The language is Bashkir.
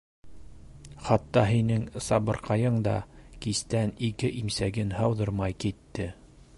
Хатта һинең Сыбарҡайың да кистән ике имсәген һауҙырмай китте...